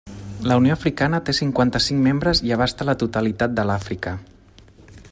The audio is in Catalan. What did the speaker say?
La Unió Africana té cinquanta-cinc membres i abasta la totalitat de l'Àfrica.